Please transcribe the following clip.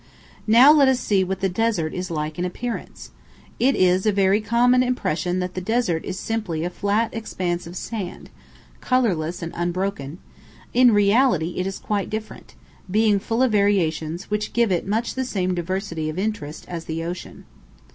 Now let us see what the desert is like in appearance. It is a very common impression that the desert is simply a flat expanse of sand, colourless and unbroken; in reality it is quite different, being full of variations, which give it much the same diversity of interest as the ocean.